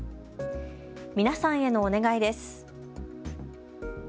皆さんへのお願いです。